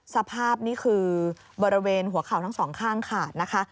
สภาพนี่คือบริเวณหัวเข่าทั้งสองข้างขาดนะคะ